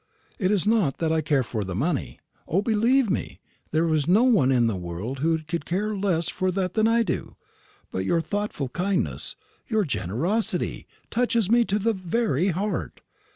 It is not that I care for the money. O, believe me, there is no one in the world who could care less for that than I do. But your thoughtful kindness, your generosity, touches me to the very heart.